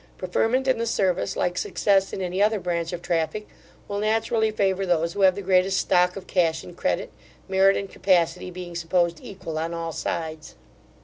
Preferment in the service, like success in any other branch of traffic, will naturally favour those who have the greatest stock of cash and credit, merit and capacity being supposed equal on all sides.